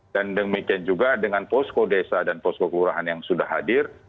dan demikian juga dengan posko desa dan posko kelurahan yang sudah hadir